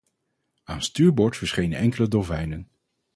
Aan stuurboord verschenen enkele dolfijnen.